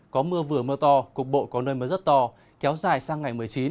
có mưa vừa mưa to cục bộ có nơi mưa rất to kéo dài sang ngày một mươi chín